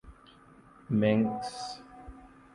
مینکس